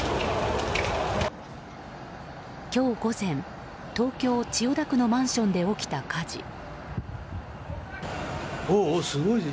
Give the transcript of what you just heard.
今日午前、東京・千代田区のマンションで起きた火事。